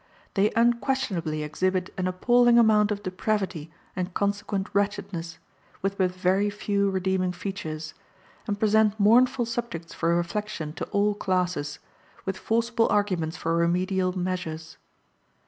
They unquestionably exhibit an appalling amount of depravity and consequent wretchedness, with but very few redeeming features, and present mournful subjects for reflection to all classes, with forcible arguments for remedial measures.